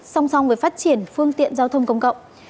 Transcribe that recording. song song với phát triển phương tiện giao thông công cộng